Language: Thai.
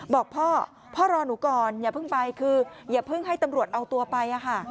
บอกพ่อพ่อรอหนูก่อนอย่าเพิ่งไปคืออย่าเพิ่งให้ตำรวจเอาตัวไป